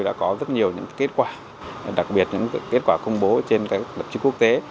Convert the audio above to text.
đã có rất nhiều những kết quả đặc biệt những kết quả công bố trên các chức quốc tế